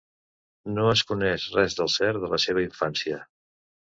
No es coneix res del cert de la seva infància.